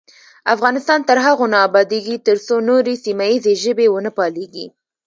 افغانستان تر هغو نه ابادیږي، ترڅو نورې سیمه ییزې ژبې ونه پالیږي.